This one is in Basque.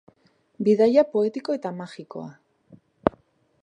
Bidaia poetiko eta magikoa.